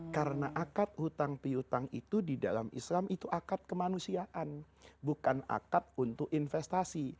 karena akat hutang piutang itu di dalam islam itu akat kemanusiaan bukan akat untuk investasi